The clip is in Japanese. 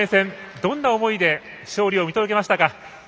どんな思いで勝利を見届けましたか？